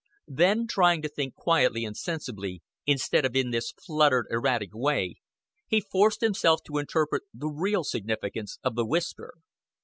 Then trying to think quietly and sensibly, instead of in this fluttered, erratic way, he forced himself to interpret the real significance of the whisper.